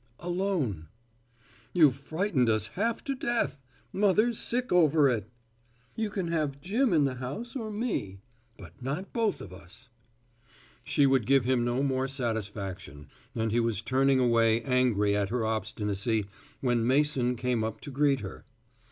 "Alone." "You've frightened us half to death. Mother's sick over it." "You can have Jim in the house, or me, but not both of us." She would give him no more satisfaction, and he was turning away angry at her obstinacy, when Mason came up to greet her.